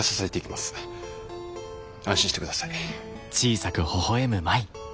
安心してください。